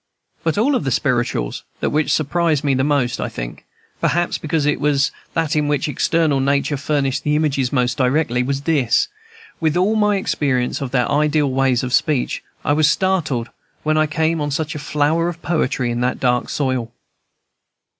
But of all the "spirituals" that which surprised me the most, I think, perhaps because it was that in which external nature furnished the images most directly, was this. With all my experience of their ideal ways of speech, I was startled when first I came on such a flower of poetry in that dark soil.